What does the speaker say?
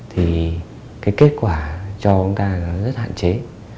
thì cái kết quả cho chúng ta là rất hạn chế